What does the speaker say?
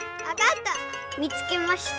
みつけました。